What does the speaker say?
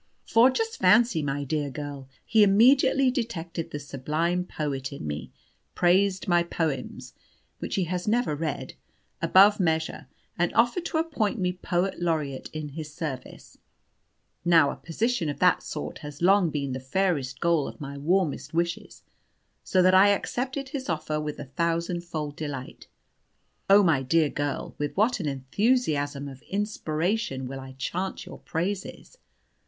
For, just fancy, my dear girl, he immediately detected the sublime poet in me, praised my poems (which he has never read) above measure, and offered to appoint me Poet Laureate in his service. Now a position of that sort has long been the fairest goal of my warmest wishes, so that I accepted his offer with a thousandfold delight. Oh, my dear girl, with what an enthusiasm of inspiration will I chant your praises!